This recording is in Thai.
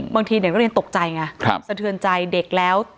บางทีเด็กนักเรียนตกใจไงสะเทือนใจเด็กแล้ว